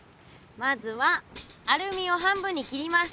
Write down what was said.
まずはアルミを半分に切ります。